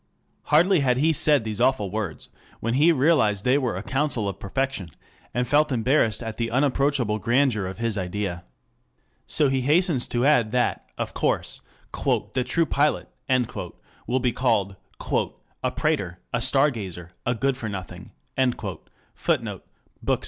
Hardly had he said these awful words, when he realized they were a counsel of perfection, and felt embarrassed at the unapproachable grandeur of his idea. So he hastens to add that, of course, "the true pilot" will be called "a prater, a star gazer, a good for nothing." [Footnote: 2 Bk.